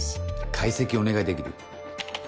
解析お願いできる？